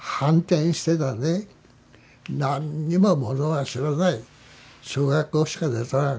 何にもものは知らない小学校しか出とらん。